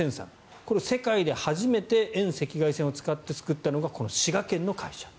これ、世界で初めて遠赤外線を使って作ったのがこの滋賀県の会社。